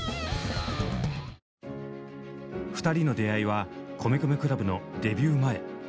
２人の出会いは米米ＣＬＵＢのデビュー前。